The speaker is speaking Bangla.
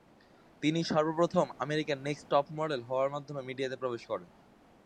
তিনি সর্বপ্রথম "আমেরিকার নেক্সট টপ মডেল" হওয়ার মাধ্যমে মিডিয়াতে প্রবেশ করেন।